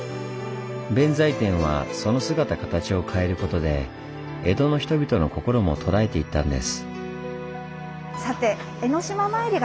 弁財天はその姿形を変えることで江戸の人々の心もとらえていったんです。